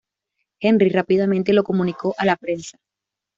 Henry rápidamente lo comunicó a la prensa.